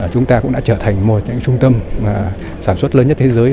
chúng ta cũng đã trở thành một trung tâm sản xuất lớn nhất thế giới